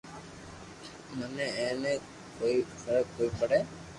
مني اي تي ڪوئي فراڪ ڪوئي پڙي